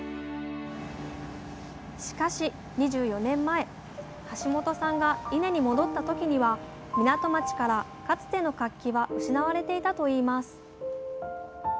しかし２４年前橋本さんが伊根に戻った時には港町からかつての活気は失われていたといいます。